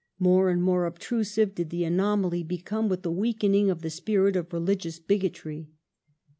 More and more obtrusive did the anomaly become with the weakening of the spirit of religious bigotry.